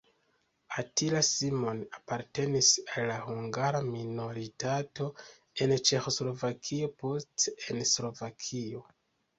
Attila Simon apartenis al la hungara minoritato en Ĉeĥoslovakio, poste en Slovakio.